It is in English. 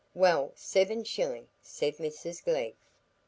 "Well, seven shilling," said Mrs Glegg.